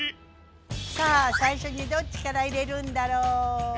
さあ最初にどっちから入れるんだろうね。